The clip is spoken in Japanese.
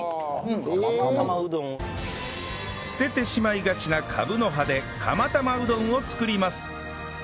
捨ててしまいがちなカブの葉で釜玉うどんを作ります